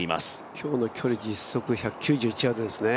今日の距離、実測１９１ヤードですね。